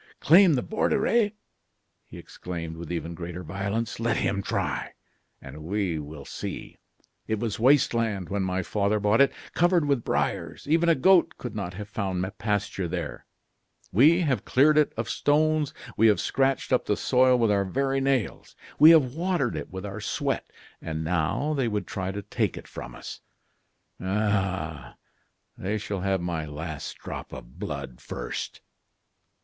"Claim the Borderie!" he exclaimed, with even greater violence; "let him try, and we will see. It was waste land when my father bought it covered with briers; even a goat could not have found pasture there. We have cleared it of stones, we have scratched up the soil with our very nails, we have watered it with our sweat, and now they would try to take it from us! Ah! they shall have my last drop of blood first!"